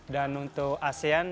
dan untuk asean